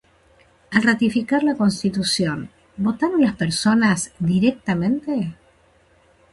Al ratificar la Constitución, ¿votaron las personas directamente?